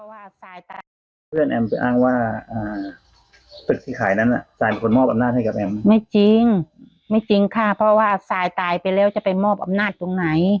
ว่าเกษตริฐิถ่ายแล้วไม่จริงไม่จริงค่ะเพราะว่าศัยตายไปแล้วจะไปมอบอำนาจตรงไหน